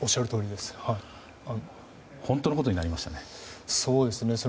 本当のことになりました。